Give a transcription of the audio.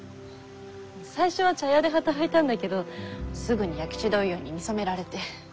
最初は茶屋で働いたんだけどすぐに薬種問屋に見初められて。